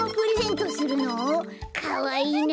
かわいいな。